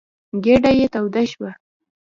ګېډه یې توده شوه.